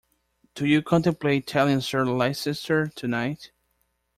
Do you contemplate telling Sir Leicester tonight?